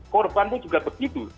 korbannya juga begitu